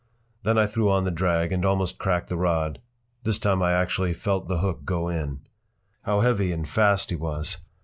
Then I threw on the drag and almost cracked the rod. This time I actually felt the hook go in. How heavy and fast he was!